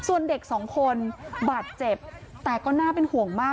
ส่วนเด็กสองคนบาดเจ็บแต่ก็น่าเป็นห่วงมาก